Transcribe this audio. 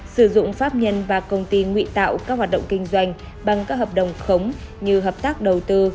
sử dụng pháp nhân và công ty nguy tạo các hoạt động kinh doanh bằng các hợp đồng khống như hợp tác đầu tư